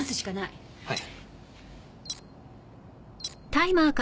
はい。